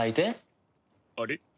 あれ？